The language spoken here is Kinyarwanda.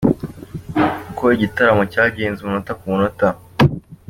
Uko igitaramo cyagenze umunota ku munota.